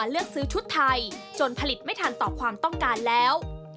เลือกซื้อชุดไทยจนผลิตไม่ทันต่อความต้องการแล้ว